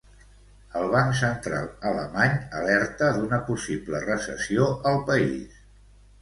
El banc central alemany alerta d'una possible recessió al país.